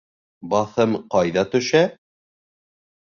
Баҫым ҡайҙа төшә?